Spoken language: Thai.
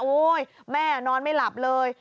แม่นอนไม่หลับเลย